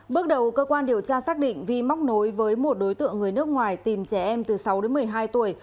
bước đầu cơ quan điều tra xác định vi móc nối với một đối tượng người nước ngoài tìm trẻ em từ sáu đến một mươi hai tuổi